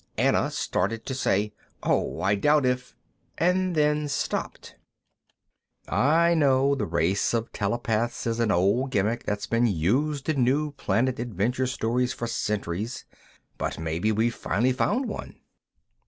Anna started to say, "Oh, I doubt if " and then stopped. "I know, the race of telepaths is an old gimmick that's been used in new planet adventure stories for centuries, but maybe we've finally found one."